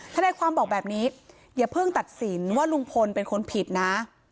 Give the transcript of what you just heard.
ทนายความบอกแบบนี้อย่าเพิ่งตัดสินว่าลุงพลเป็นคนผิดนะ